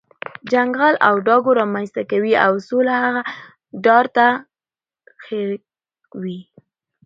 جنګ غل او ډاګو رامنځ ته کوي، او سوله هغه دار ته خېږوي.